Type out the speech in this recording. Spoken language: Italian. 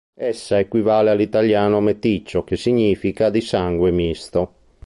Essa equivale all‘italiano meticcio che significa "di sangue misto".